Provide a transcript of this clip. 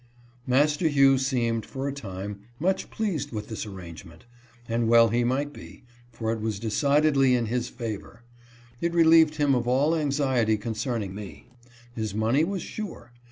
Master Hugh seemed, for a time, much pleased with this arrangement ; and well he might be, for it was decidedly in his favor. It relieved him of all anxiety con cerning me. His money was sure.